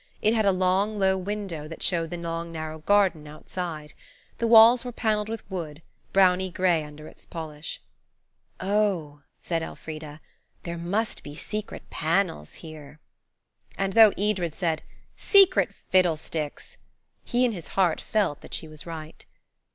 It had a long, low window that showed the long, narrow garden outside. The walls were panelled with wood, browny grey under its polish. "THE CHILDREN WENT IN THE CARRIER'S CART." "Oh," said Elfrida, "there must be secret panels here." And though Edred said, "Secret fiddlesticks!" he in his heart felt that she was right.